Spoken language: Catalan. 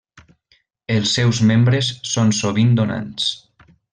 Els seus membres són sovint donants.